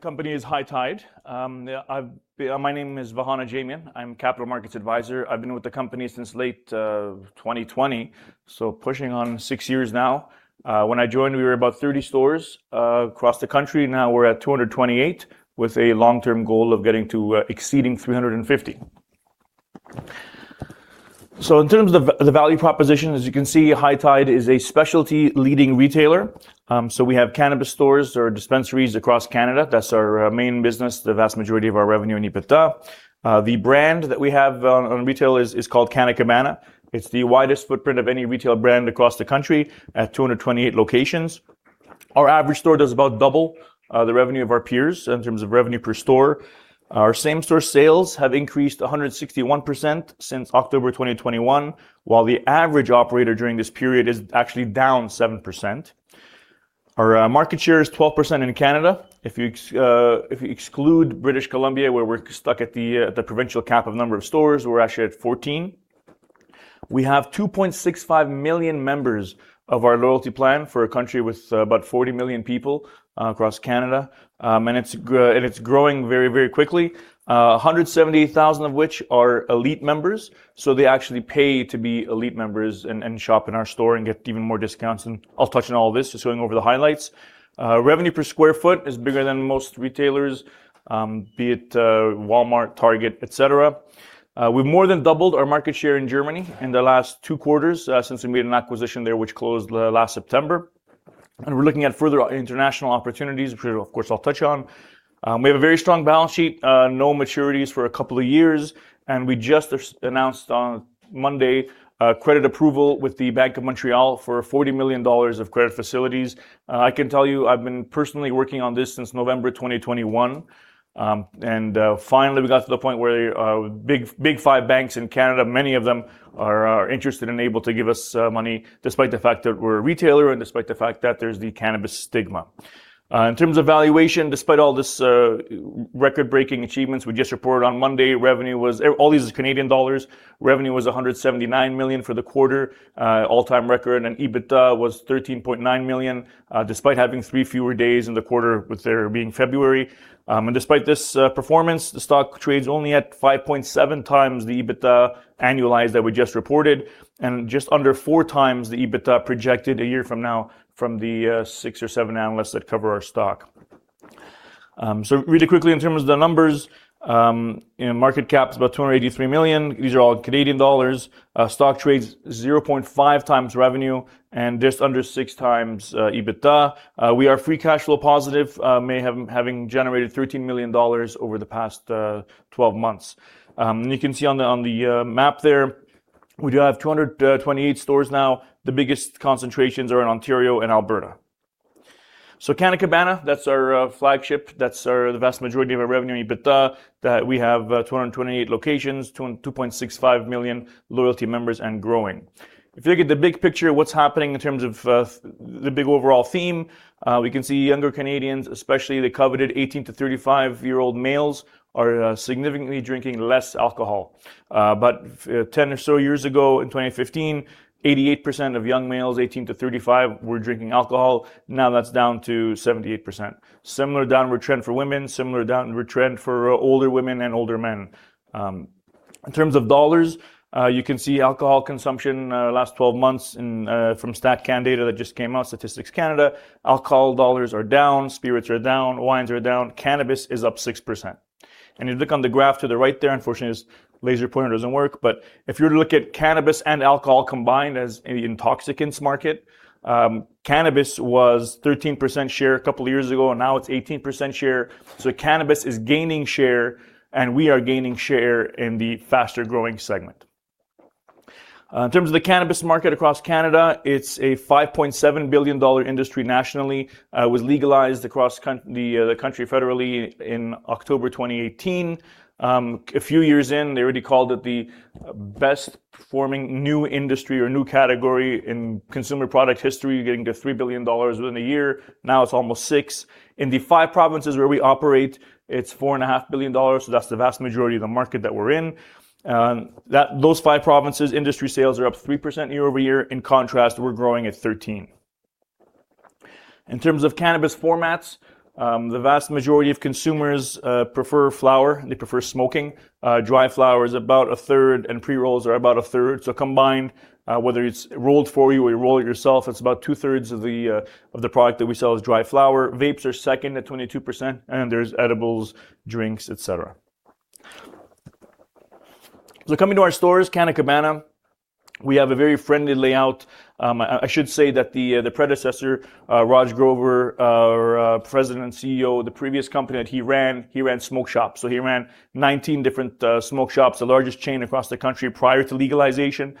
Company is High Tide. My name is Vahan Ajamian. I'm Capital Markets Advisor. I've been with the company since late 2020, so pushing on six years now. When I joined, we were about 30 stores across the country. Now we're at 228 with a long-term goal of getting to exceeding 350. In terms of the value proposition, as you can see, High Tide is a specialty leading retailer. We have cannabis stores or dispensaries across Canada. That's our main business, the vast majority of our revenue and EBITDA. The brand that we have on retail is called Canna Cabana. It's the widest footprint of any retail brand across the country at 228 locations. Our average store does about double the revenue of our peers in terms of revenue per store. Our same store sales have increased 161% since October 2021, while the average operator during this period is actually down 7%. Our market share is 12% in Canada. If you exclude British Columbia, where we're stuck at the provincial cap of number of stores, we're actually at 14%. We have 2.65 million members of our loyalty plan for a country with about 40 million people across Canada. It's growing very quickly. 170,000 of which are ELITE members, so they actually pay to be ELITE members and shop in our store and get even more discounts. I'll touch on all this, just going over the highlights. Revenue per square foot is bigger than most retailers, be it Walmart, Target, et cetera. We've more than doubled our market share in Germany in the last two quarters since we made an acquisition there, which closed last September. We're looking at further international opportunities, which of course I'll touch on. We have a very strong balance sheet, no maturities for a couple of years. We just announced on Monday a credit approval with the Bank of Montreal for 40 million dollars of credit facilities. I can tell you I've been personally working on this since November 2021. Finally, we got to the point where big five banks in Canada, many of them are interested and able to give us money despite the fact that we're a retailer and despite the fact that there's the cannabis stigma. In terms of valuation, despite all this record-breaking achievements we just reported on Monday, all these are Canadian dollars. Revenue was 179 million for the quarter, all-time record. EBITDA was 13.9 million, despite having three fewer days in the quarter with there being February. Despite this performance, the stock trades only at 5.7 times the EBITDA annualized that we just reported and just under four times the EBITDA projected a year from now from the six or seven analysts that cover our stock. Really quickly in terms of the numbers, market cap is about 283 million. These are all Canadian dollars. Stock trades 0.5 times revenue and just under six times EBITDA. We are free cash flow positive, having generated 13 million dollars over the past 12 months. You can see on the map there, we do have 228 stores now. The biggest concentrations are in Ontario and Alberta. Canna Cabana, that's our flagship. That's the vast majority of our revenue and EBITDA, that we have 228 locations, 2.65 million loyalty members, and growing. If you look at the big picture of what's happening in terms of the big overall theme, we can see younger Canadians, especially the coveted 18-35 year-old males, are significantly drinking less alcohol. About 10 or so years ago in 2015, 88% of young males 18-35 were drinking alcohol. Now that's down to 78%. Similar downward trend for women, similar downward trend for older women and older men. In terms of dollars, you can see alcohol consumption last 12 months from StatCan data that just came out, Statistics Canada. Alcohol dollars are down, spirits are down, wines are down, cannabis is up 6%. You look on the graph to the right there, unfortunately, this laser pointer doesn't work, if you were to look at cannabis and alcohol combined as an intoxicants market, cannabis was 13% share a couple of years ago, now it's 18% share. Cannabis is gaining share and we are gaining share in the faster-growing segment. In terms of the cannabis market across Canada, it's a 5.7 billion dollar industry nationally. It was legalized across the country federally in October 2018. A few years in, they already called it the best-performing new industry or new category in consumer product history, getting to 3 billion dollars within a year. Now it's almost six. In the five provinces where we operate, it's 4.5 billion dollars. That's the vast majority of the market that we're in. Those five provinces, industry sales are up 3% year-over-year. In contrast, we're growing at 13%. In terms of cannabis formats, the vast majority of consumers prefer flower. They prefer smoking. Dry flower is about 1/3, and pre-rolls are about 1/3. Combined, whether it's rolled for you or you roll it yourself, it's about 2/3 of the product that we sell is dry flower. Vapes are second at 22%, and there's edibles, drinks, et cetera. Coming to our stores, Canna Cabana, we have a very friendly layout. I should say that the predecessor, Raj Grover, our President and CEO of the previous company that he ran, he ran smoke shops. He ran 19 different smoke shops, the largest chain across the country prior to legalization.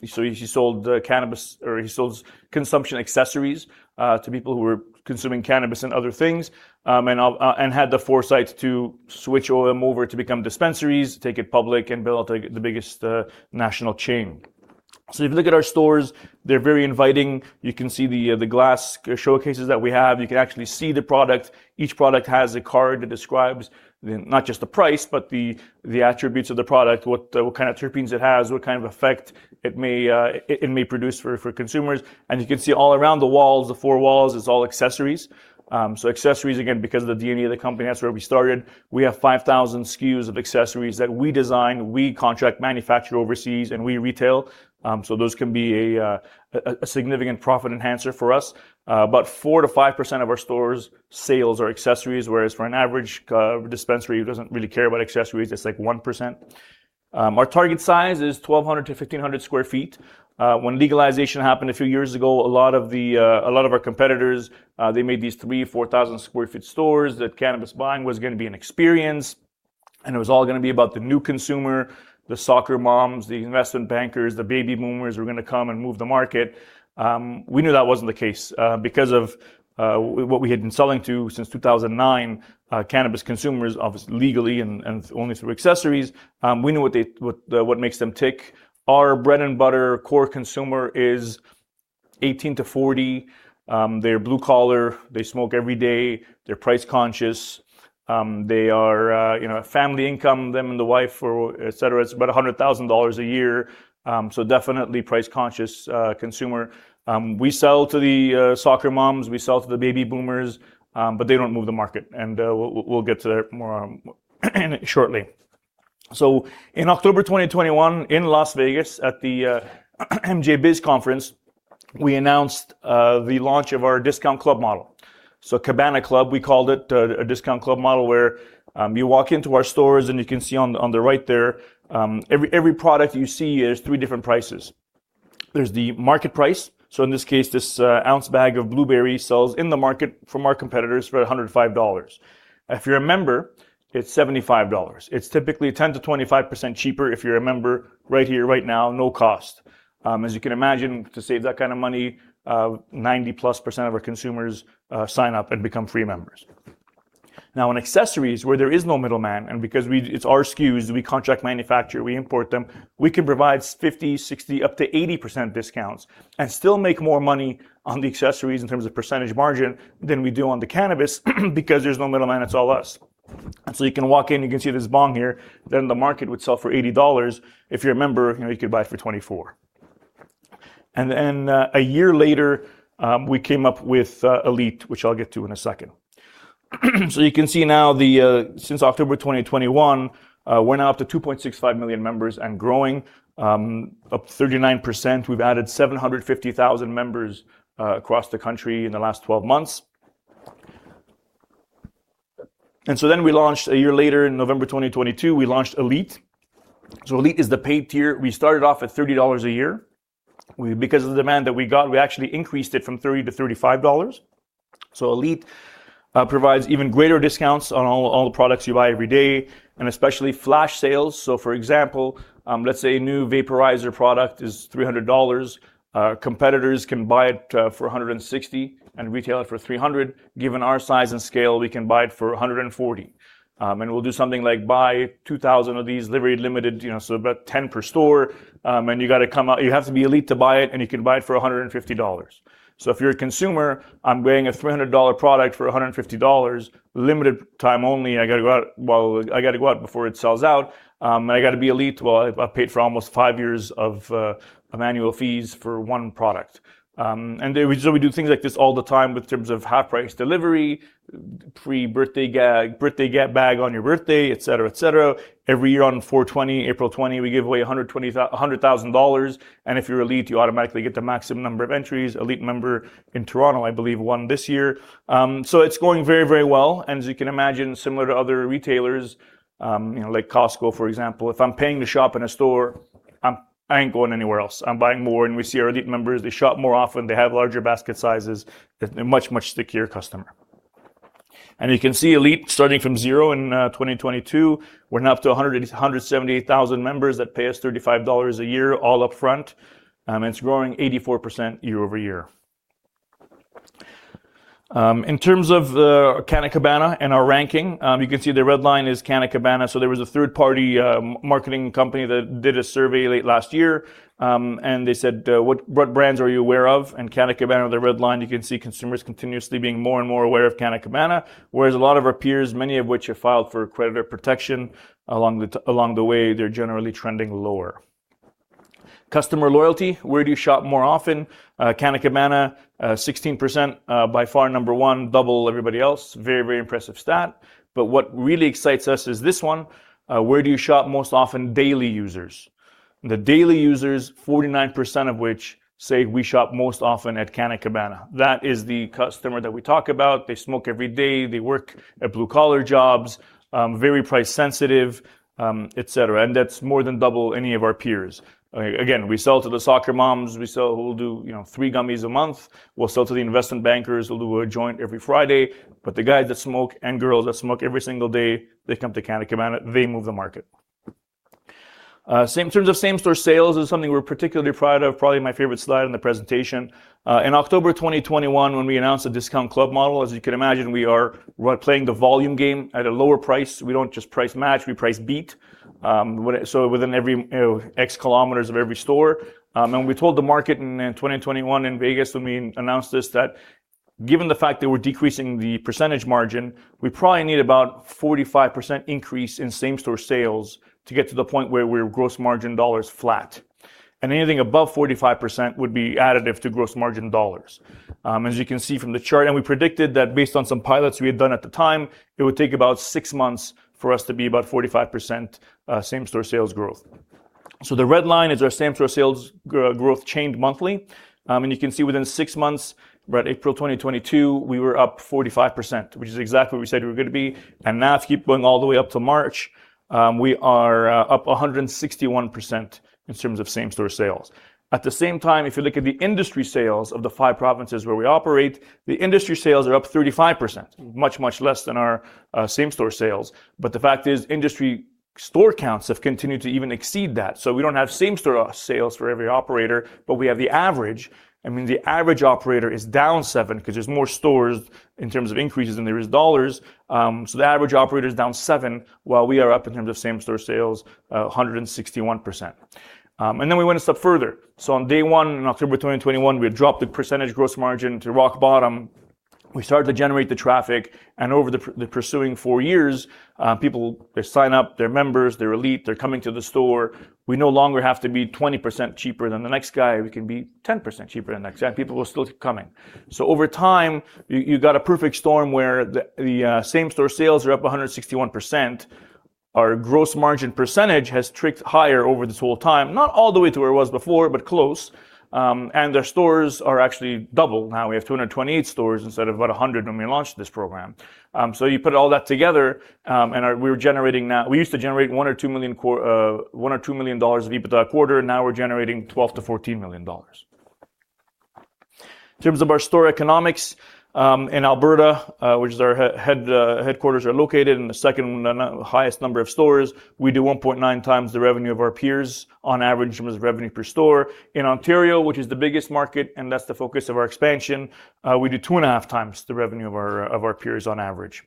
He sold cannabis, or he sold consumption accessories to people who were consuming cannabis and other things. Had the foresight to switch them over to become dispensaries, take it public, and build the biggest national chain. If you look at our stores, they're very inviting. You can see the glass showcases that we have. You can actually see the product. Each product has a card that describes not just the price, but the attributes of the product, what kind of terpenes it has, what kind of effect it may produce for consumers. You can see all around the walls, the four walls, it's all accessories. Accessories, again, because of the DNA of the company, that's where we started. We have 5,000 SKUs of accessories that we design, we contract manufacture overseas, and we retail. Those can be a significant profit enhancer for us. About 4%-5% of our store's sales are accessories, whereas for an average dispensary who doesn't really care about accessories, it's like 1%. Our target size is 1,200 sq ft-1,500 sq ft. When legalization happened a few years ago, a lot of our competitors, they made these 3,000 sq ft or 4,000 sq ft stores, that cannabis buying was going to be an experience, and it was all going to be about the new consumer, the soccer moms, the investment bankers, the baby boomers were going to come and move the market. We knew that wasn't the case. Because of what we had been selling to since 2009, cannabis consumers, obviously legally and only through accessories, we knew what makes them tick. Our bread-and-butter core consumer is 18 years-old to 40 years-old. They're blue collar. They smoke every day. They're price-conscious. They are a family income, them and the wife, et cetera. It's about 100,000 dollars a year. Definitely price-conscious consumer. We sell to the soccer moms, we sell to the baby boomers, but they don't move the market. We'll get to that more shortly. In October 2021, in Las Vegas at the MJBiz conference, we announced the launch of our discount club model. Cabana Club, we called it, a discount club model where you walk into our stores, and you can see on the right there, every product you see, there's three different prices. There's the market price, so in this case, this ounce bag of blueberry sells in the market from our competitors for 105 dollars. If you're a member, it's 75 dollars. It's typically 10%-25% cheaper if you're a member right here, right now, no cost. As you can imagine, to save that kind of money, 90-plus % of our consumers sign up and become free members. Now, in accessories, where there is no middleman, and because it's our SKUs, we contract manufacture, we import them, we can provide 50%, 60%, up to 80% discounts and still make more money on the accessories in terms of percentage margin than we do on the cannabis because there's no middleman. It's all us. You can walk in, you can see this bong here, that on the market would sell for 80 dollars. If you're a member, you could buy it for 24. A year later, we came up with ELITE, which I'll get to in a second. You can see now, since October 2021, we're now up to 2.65 million members and growing, up 39%. We've added 750,000 members across the country in the last 12 months. We launched a year later in November 2022, we launched ELITE. ELITE is the paid tier. We started off at 30 dollars a year. Because of the demand that we got, we actually increased it from 30 to 35 dollars. ELITE provides even greater discounts on all the products you buy every day, and especially flash sales. For example, let's say a new vaporizer product is 300 dollars. Competitors can buy it for 160 and retail it for 300. Given our size and scale, we can buy it for 140. We'll do something like buy 2,000 of these, very limited, about 10 per store. You have to be ELITE to buy it, and you can buy it for 150 dollars. If you're a consumer, I'm getting a 300 dollar product for 150 dollars, limited time only, and I got to go out before it sells out. I got to be Elite. I paid for almost five years of annual fees for one product. We do things like this all the time with terms of half-price delivery, pre-birthday gift, birthday gift bag on your birthday, et cetera. Every year on 4/20, April 20, we give away 100,000 dollars, and if you're ELITE, you automatically get the maximum number of entries. ELITE member in Toronto, I believe, won this year. It's going very well. As you can imagine, similar to other retailers, like Costco, for example. If I'm paying to shop in a store, I ain't going anywhere else. I'm buying more. We see our ELITE members, they shop more often. They have larger basket sizes. They're much stickier customer. You can see ELITE starting from zero in 2022. We're now up to 178,000 members that pay us 35 dollars a year all up front. It's growing 84% year-over-year. In terms of the Canna Cabana and our ranking, you can see the red line is Canna Cabana. There was a third-party marketing company that did a survey late last year, and they said, "What brands are you aware of?" Canna Cabana, the red line, you can see consumers continuously being more and more aware of Canna Cabana, whereas a lot of our peers, many of which have filed for creditor protection along the way, they're generally trending lower. Customer loyalty, where do you shop more often? Canna Cabana, 16%, by far number one, double everybody else. Very impressive stat. What really excites us is this one. Where do you shop most often, daily users? The daily users, 49% of which say, "We shop most often at Canna Cabana." That is the customer that we talk about. They smoke every day. They work at blue-collar jobs, very price-sensitive, et cetera. That's more than double any of our peers. Again, we sell to the soccer moms. We'll do three gummies a month. We'll sell to the investment bankers who'll do a joint every Friday. The guys that smoke and girls that smoke every single day, they come to Canna Cabana. They move the market. Same-store sales is something we're particularly proud of, probably my favorite slide in the presentation. In October 2021, when we announced the discount club model, as you can imagine, we are playing the volume game at a lower price. We don't just price match, we price beat, so within every X km of every store. We told the market in 2021 in Vegas when we announced this that Given the fact that we're decreasing the percentage margin, we probably need about 45% increase in same-store sales to get to the point where we're gross margin dollars is flat. Anything above 45% would be additive to gross margin dollars. As you can see from the chart, we predicted that based on some pilots we had done at the time, it would take about six months for us to be about 45% same-store sales growth. The red line is our same-store sales growth chained monthly. You can see within six months, about April 2022, we were up 45%, which is exactly where we said we were going to be. Now if you keep going all the way up to March, we are up 161% in terms of same-store sales. At the same time, if you look at the industry sales of the five provinces where we operate, the industry sales are up 35%, much, much less than our same-store sales. The fact is industry store counts have continued to even exceed that. We don't have same-store sales for every operator, but we have the average, and the average operator is down seven because there's more stores in terms of increases than there is dollars. The average operator is down seven while we are up in terms of same-store sales, 161%. We went a step further. On day one in October 2021, we had dropped the percentage gross margin to rock bottom. We started to generate the traffic, and over the pursuing four years, people, they sign up, they're members, they're ELITE, they're coming to the store. We no longer have to be 20% cheaper than the next guy. We can be 10% cheaper than the next guy, and people are still coming. Over time, you got a perfect storm where the same-store sales are up 161%. Our gross margin percentage has tricked higher over this whole time, not all the way to where it was before, but close. Their stores are actually double now. We have 228 stores instead of about 100 when we launched this program. You put all that together, and we used to generate 1 million or 2 million dollars of EBITDA a quarter, now we're generating 12 million-14 million dollars. In terms of our store economics, in Alberta, which is our headquarters are located and the second highest number of stores, we do 1.9 times the revenue of our peers on average in terms of revenue per store. In Ontario, which is the biggest market and that's the focus of our expansion, we do 2.5 times the revenue of our peers on average.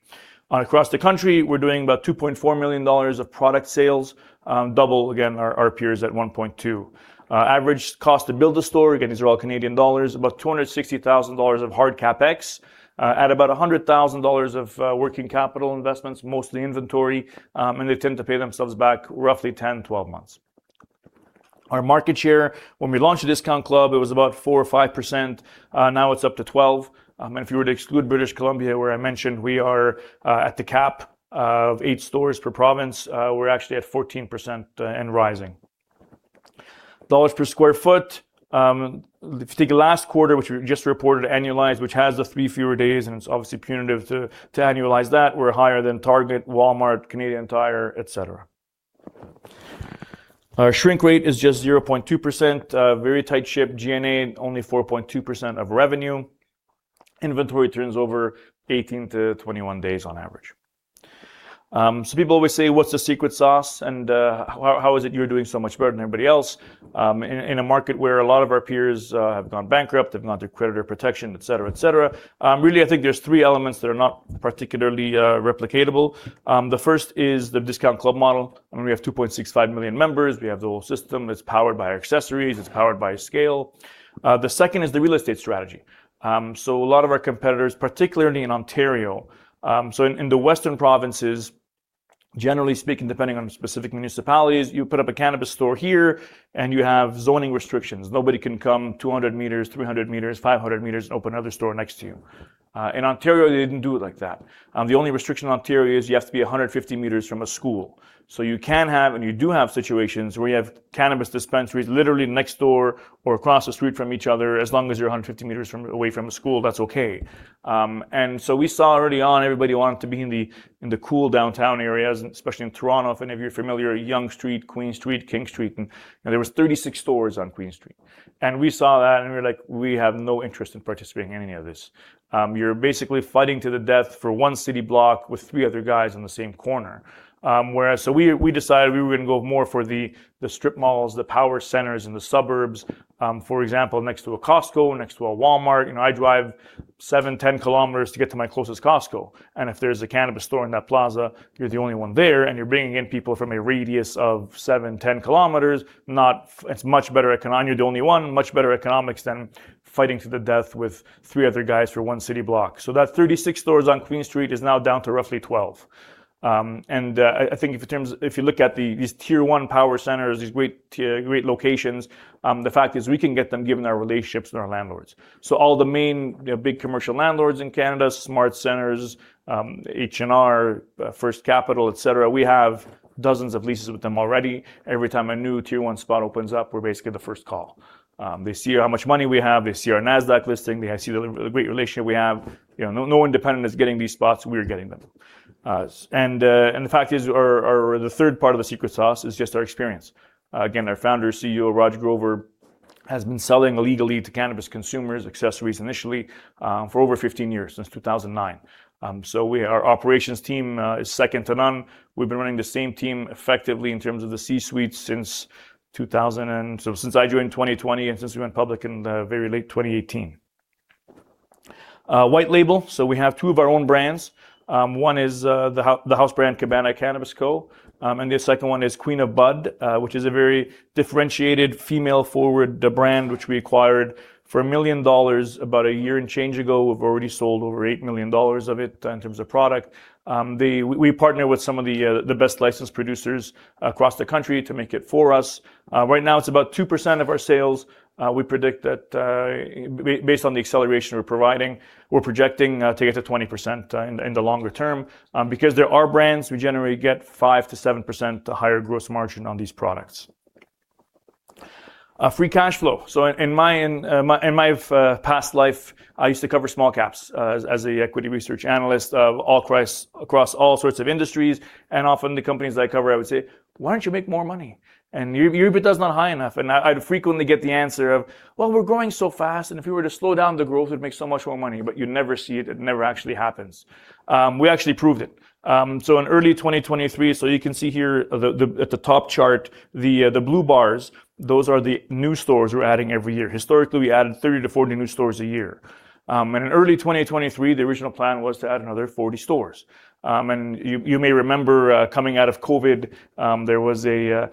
Across the country, we're doing about 2.4 million dollars of product sales, double again our peers at 1.2. Average cost to build a store, again, these are all Canadian dollars, about 260,000 dollars of hard CapEx, at about 100,000 dollars of working capital investments, mostly inventory, and they tend to pay themselves back roughly 10-12 months. Our market share, when we launched the discount club, it was about 4% or 5%. Now it's up to 12%. If you were to exclude British Columbia, where I mentioned we are at the cap of eight stores per province, we're actually at 14% and rising. Canadian dollar per square foot. If you take the last quarter, which we just reported annualized, which has the three fewer days, and it's obviously punitive to annualize that, we're higher than Target, Walmart, Canadian Tire, et cetera. Our shrink rate is just 0.2%, very tight ship. G&A, only 4.2% of revenue. Inventory turns over 18-21 days on average. People always say, "What's the secret sauce?" "How is it you're doing so much better than everybody else?" In a market where a lot of our peers have gone bankrupt, have gone through creditor protection, et cetera. Really, I think there's three elements that are not particularly replicatable. The first is the discount club model. We have 2.65 million members. We have the whole system that's powered by our accessories. It's powered by scale. The second is the real estate strategy. A lot of our competitors, particularly in Ontario. In the western provinces, generally speaking, depending on specific municipalities, you put up a cannabis store here, and you have zoning restrictions. Nobody can come 200 meters, 300 meters, 500 meters and open another store next to you. In Ontario, they didn't do it like that. The only restriction in Ontario is you have to be 150 meters from a school. You can have, and you do have situations where you have cannabis dispensaries literally next door or across the street from each other. As long as you're 150 meters away from a school, that's okay. We saw early on everybody wanted to be in the cool downtown areas, especially in Toronto. If any of you are familiar, Yonge Street, Queen Street, King Street, there was 36 stores on Queen Street. We saw that and we were like, "We have no interest in participating in any of this." You're basically fighting to the death for one city block with three other guys on the same corner. We decided we were going to go more for the strip malls, the power centers in the suburbs. For example, next to a Costco, next to a Walmart. I drive seven, 10 km to get to my closest Costco, and if there's a cannabis store in that plaza, you're the only one there, and you're bringing in people from a radius of seven, 10 km. You're the only one. Much better economics than fighting to the death with three other guys for one city block. That 36 stores on Queen Street is now down to roughly 12. I think if you look at these tier-1 power centers, these great locations, the fact is we can get them given our relationships with our landlords. All the main big commercial landlords in Canada, SmartCentres, H&R, First Capital, et cetera, we have dozens of leases with them already. Every time a new tier-1 spot opens up, we're basically the first call. They see how much money we have, they see our Nasdaq listing, they see the great relationship we have. No independent is getting these spots. We are getting them. The fact is, the third part of the secret sauce is just our experience. Again, our Founder, CEO, Raj Grover, has been selling legally to cannabis consumers, accessories initially, for over 15 years, since 2009. Our operations team is second to none. We've been running the same team effectively in terms of the C-suite since I joined in 2020 and since we went public in very late 2018. White label. We have two of our own brands. One is the house brand, Cabana Cannabis Co., and the second one is Queen of Bud, which is a very differentiated female-forward brand, which we acquired for 1 million dollars about a year and change ago. We've already sold over 8 million dollars of it in terms of product. We partner with some of the best licensed producers across the country to make it for us. Right now, it's about 2% of our sales. Based on the acceleration we're providing, we're projecting to get to 20% in the longer term. Because they're our brands, we generally get 5%-7% higher gross margin on these products. Free cash flow. In my past life, I used to cover small caps as an equity research analyst across all sorts of industries, and often the companies that I cover, I would say, "Why don't you make more money?" "Your EBITDA's not high enough." I'd frequently get the answer of, "Well, we're growing so fast, and if we were to slow down the growth, we'd make so much more money." You'd never see it never actually happens. We actually proved it. In early 2023, you can see here at the top chart, the blue bars, those are the new stores we're adding every year. Historically, we added 30-40 new stores a year. In early 2023, the original plan was to add another 40 stores. You may remember, coming out of COVID, there was a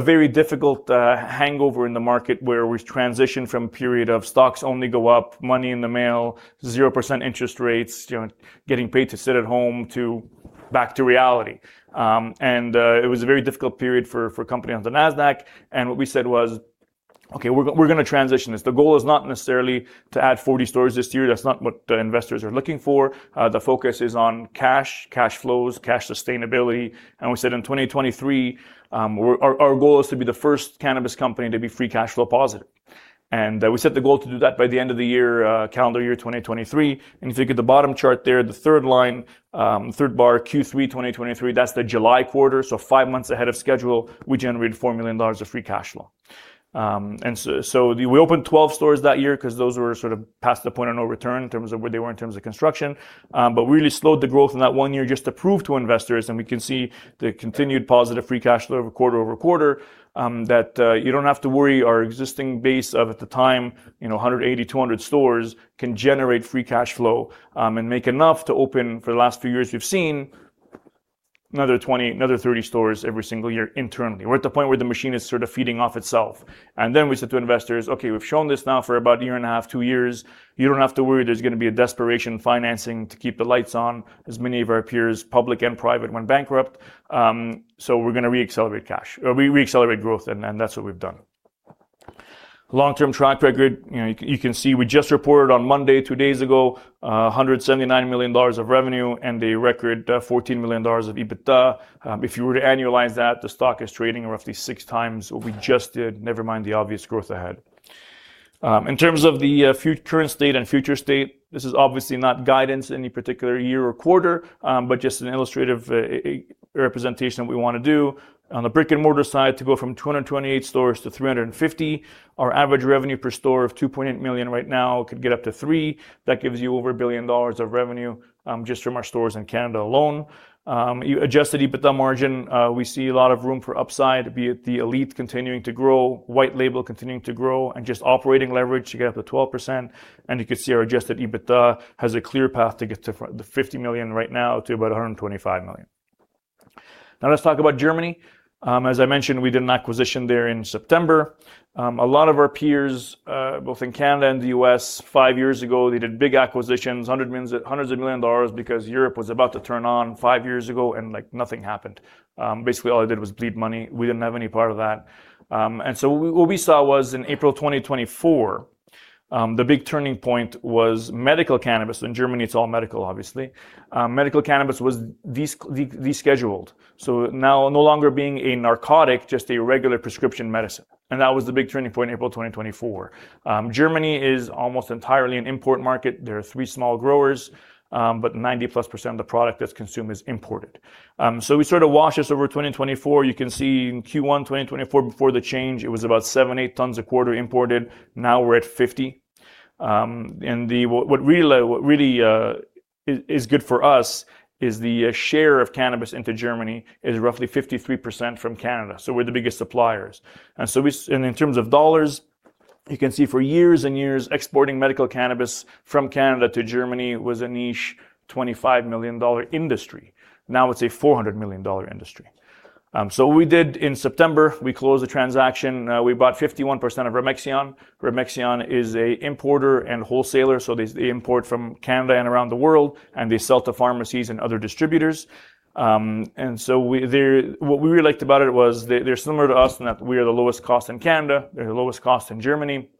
very difficult hangover in the market where we transitioned from a period of stocks only go up, money in the mail, 0% interest rates, getting paid to sit at home, to back to reality. It was a very difficult period for companies on the Nasdaq. What we said was, "Okay, we're going to transition this." The goal is not necessarily to add 40 stores this year. That's not what the investors are looking for. The focus is on cash, cash flows, cash sustainability. We said in 2023, our goal is to be the first cannabis company to be free cash flow positive. We set the goal to do that by the end of the year, calendar year 2023. If you look at the bottom chart there, the third line, third bar, Q3 2023, that's the July quarter, five months ahead of schedule, we generated 4 million dollars of free cash flow. We opened 12 stores that year because those were sort of past the point of no return in terms of where they were in terms of construction. We really slowed the growth in that one year just to prove to investors, and we can see the continued positive free cash flow quarter-over-quarter, that you don't have to worry. Our existing base of, at the time, 180, 200 stores can generate free cash flow, and make enough to open, for the last few years, we've seen another 20, another 30 stores every single year internally. We're at the point where the machine is sort of feeding off itself. We said to investors, "Okay, we've shown this now for about a year and a half, two years. You don't have to worry there's going to be a desperation financing to keep the lights on," as many of our peers, public and private, went bankrupt. We're going to re-accelerate growth, and that's what we've done. Long-term track record. You can see we just reported on Monday, two days ago, 179 million dollars of revenue and a record 14 million dollars of EBITDA. If you were to annualize that, the stock is trading roughly six times what we just did, never mind the obvious growth ahead. In terms of the current state and future state, this is obviously not guidance any particular year or quarter, but just an illustrative representation of what we want to do. On the brick-and-mortar side, to go from 228 stores to 350. Our average revenue per store of 2.8 million right now could get up to 3 million. That gives you over 1 billion dollars of revenue, just from our stores in Canada alone. Adjusted EBITDA margin, we see a lot of room for upside, be it the ELITE continuing to grow, white label continuing to grow, and just operating leverage to get up to 12%. You can see our adjusted EBITDA has a clear path to get to the 50 million right now to about 125 million. Let's talk about Germany. As I mentioned, we did an acquisition there in September. A lot of our peers, both in Canada and the U.S., five years ago, they did big acquisitions, hundreds of millions of Canadian dollars because Europe was about to turn on five years ago and nothing happened. All they did was bleed money. We didn't have any part of that. What we saw was in April 2024, the big turning point was medical cannabis. In Germany, it's all medical, obviously. Medical cannabis was descheduled, so now no longer being a narcotic, just a regular prescription medicine. That was the big turning point, April 2024. Germany is almost entirely an import market. There are three small growers, but 90%+ of the product that's consumed is imported. We sort of watched this over 2024. You can see in Q1 2024, before the change, it was about seven, eight tons a quarter imported. Now we're at 50. What really is good for us is the share of cannabis into Germany is roughly 53% from Canada. We're the biggest suppliers. In terms of Canadian dollars, you can see for years and years, exporting medical cannabis from Canada to Germany was a niche 25 million dollar industry. Now it's a 400 million dollar industry. What we did in September, we closed the transaction. We bought 51% of Remexian. Remexian is an importer and wholesaler, so they import from Canada and around the world, and they sell to pharmacies and other distributors. What we really liked about it was they're similar to us in that we are the lowest cost in Canada. They're the lowest cost in Germany.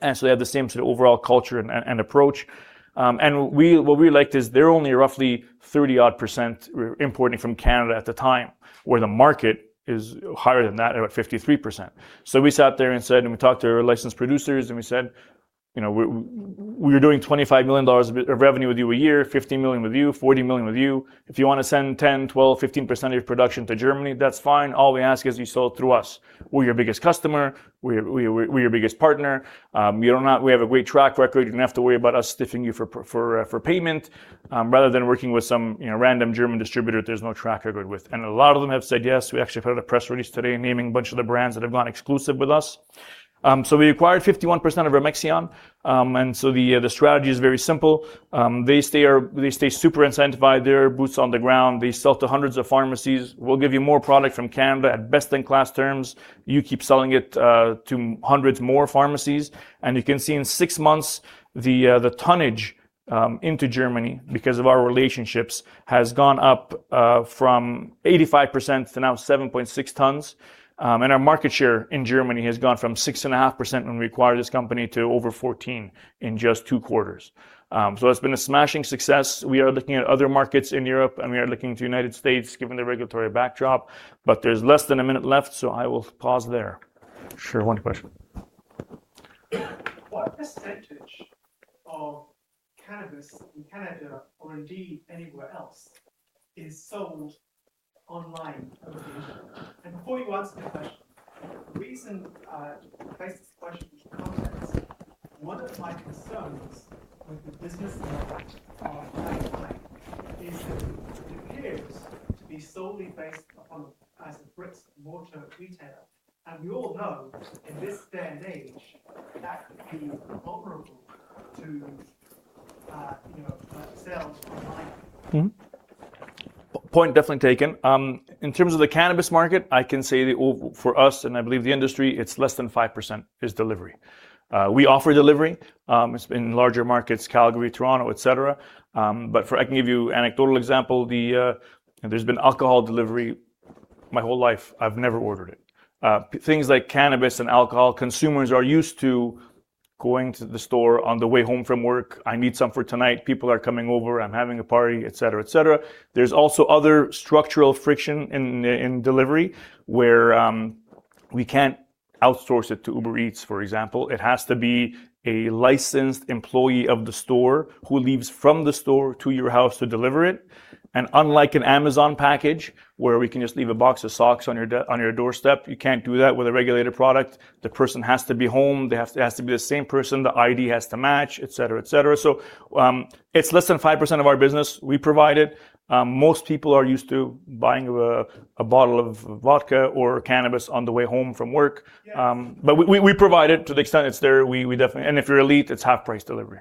They have the same sort of overall culture and approach. What we liked is they're only roughly 30%-odd importing from Canada at the time, where the market is higher than that, about 53%. We sat there and said, we talked to our licensed producers, and we said, "We're doing 25 million dollars of revenue with you a year, 15 million with you, 40 million with you. If you want to send 10%, 12%, 15% of your production to Germany, that's fine. All we ask is you sell it through us. We're your biggest customer. We're your biggest partner. We have a great track record. You don't have to worry about us stiffing you for payment, rather than working with some random German distributor that there's no track record with." A lot of them have said yes. We actually put out a press release today naming a bunch of the brands that have gone exclusive with us. We acquired 51% of Remexian. The strategy is very simple. They stay super incentivized. They are boots on the ground. They sell to hundreds of pharmacies. We'll give you more product from Canada at best-in-class terms. You keep selling it to hundreds more pharmacies. You can see in six months, the tonnage into Germany, because of our relationships, has gone up from 85% to now 7.6 tons. Our market share in Germany has gone from 6.5% when we acquired this company to over 14% in just two quarters. It's been a smashing success. We are looking at other markets in Europe. We are looking to United States given the regulatory backdrop, but there's less than a minute left, so I will pause there. Sure. One question. What percentage of cannabis in Canada or indeed anywhere else is sold online currently? Before you answer the question, the reason I ask this question in context, one of my concerns with the business model of High Tide is that it appears to be solely based as a bricks-and-mortar retailer. We all know in this day and age that could be vulnerable to sell online. Point definitely taken. In terms of the cannabis market, I can say that for us, and I believe the industry, it's less than 5% is delivery. We offer delivery. It's been in larger markets, Calgary, Toronto, et cetera. I can give you anecdotal example. There's been alcohol delivery my whole life. I've never ordered it. Things like cannabis and alcohol, consumers are used to going to the store on the way home from work. I need some for tonight. People are coming over. I'm having a party, et cetera. There's also other structural friction in delivery where we can't outsource it to Uber Eats, for example. It has to be a licensed employee of the store who leaves from the store to your house to deliver it. Unlike an Amazon package where we can just leave a box of socks on your doorstep, you can't do that with a regulated product. The person has to be home. It has to be the same person. The ID has to match, et cetera. It's less than 5% of our business. We provide it. Most people are used to buying a bottle of vodka or cannabis on the way home from work. Yes. We provide it to the extent it's there. If you're ELITE, it's half-price delivery.